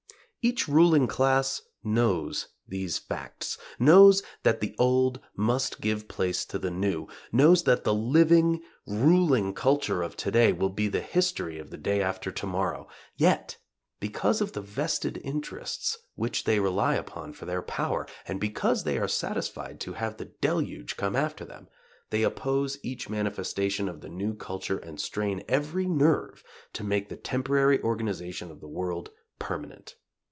Each ruling class knows these facts, knows that the old must give place to the new; knows that the living, ruling culture of to day will be the history of the day after tomorrow, yet because of the vested interests which they rely upon for their power, and because they are satisfied to have the deluge come after them, they oppose each manifestation of the new culture and strain every nerve to make the temporary organization of the world permanent.